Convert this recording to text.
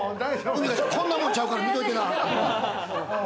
海荷ちゃん、こんなもんちゃうから見といてな。